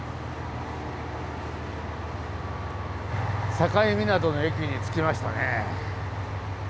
境港の駅に着きましたね。